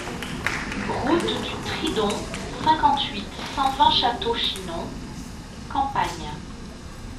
Route du Tridon, cinquante-huit, cent vingt Château-Chinon (Campagne)